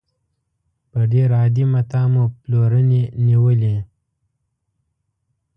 په ډېر عادي متاع مو پلورنې نېولې.